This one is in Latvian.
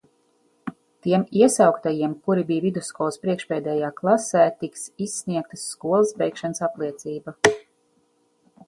Tiem iesauktajiem, kuri bija vidusskolas priekšpēdējā klasē tiks izsniegta skolas beigšanas apliecība.